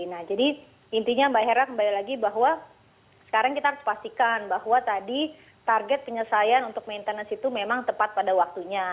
nah jadi intinya mbak hera kembali lagi bahwa sekarang kita harus pastikan bahwa tadi target penyelesaian untuk maintenance itu memang tepat pada waktunya